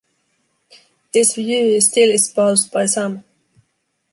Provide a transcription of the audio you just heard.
This view is still espoused by some.